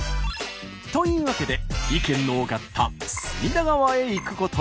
というわけで意見の多かった隅田川へ行くことに。